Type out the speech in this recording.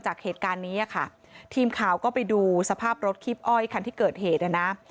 จากเหตุการณ์นี้ค่ะทีมข่าวก็ไปดูสภาพรถคีบอ้อยคันที่เกิดเหตุนะนะ